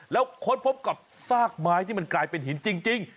แล้วค้นพบกับซากไม้ที่มันกลายเป็นหินจริง